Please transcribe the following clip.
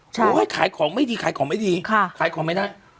บอกว่าให้ขายของไม่ดีขายของไม่ดีขายของไม่ได้